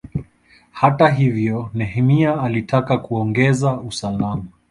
Hata hivyo, Nehemia alitaka kuongeza usalama.